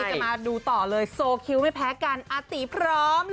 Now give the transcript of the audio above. จะมาดูต่อเลยโซคิวไม่แพ้กันอาตีพร้อมเลย